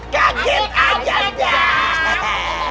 kaget aja udah